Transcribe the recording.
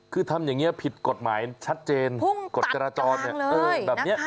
คือทำอย่างเงี้ยผิดกฎหมายชัดเจนฝุ่งตัดกลางเลยเออแบบเนี้ย